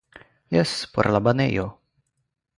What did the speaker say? Jes, por la banejo.